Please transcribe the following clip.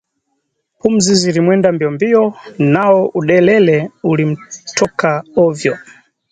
Pumzi zilimwenda mbiombio nao uderere ulimtoka ovyo